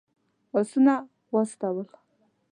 آسونه واستول.